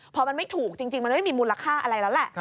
พอมันไม่ถูกจริงมันไม่มีมูลค่าอะไรแล้วแหละ